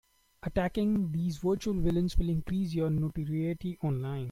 Attacking these virtual villains will increase your notoriety online.